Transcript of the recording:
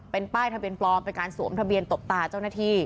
เป็นป้ายทะเบียนปลอมเป็นการสวมทะเบียนตบตาเจ้าหน้าที่